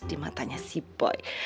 di matanya si boy